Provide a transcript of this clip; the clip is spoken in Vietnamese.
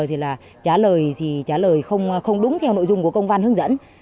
trả lời thì trả lời không đúng theo nội dung của công văn hướng dẫn